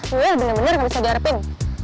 lu ya bener bener gak bisa diharapin